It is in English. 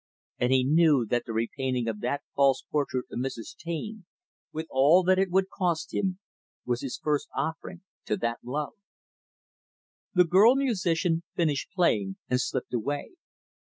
And he knew that the repainting of that false portrait of Mrs. Taine, with all that it would cost him, was his first offering to that love. The girl musician finished playing and slipped away.